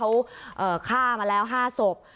เขาฆ่ามาแล้ว๕ศพ